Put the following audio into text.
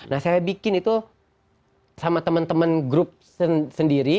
nah saya bikin itu sama temen temen grup sendiri